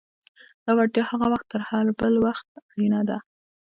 دا وړتیا هغه وخت تر هر بل وخت اړینه ده.